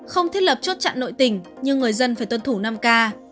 không thiết lập chốt chặn nội tỉnh nhưng người dân phải tuân thủ năm k